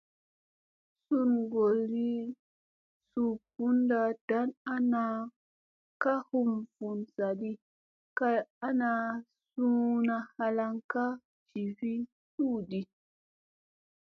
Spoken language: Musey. Sungolli su bunɗa dan ana ka hum vun sadi kay ana, suuna halaŋgi ka jivi tuudi.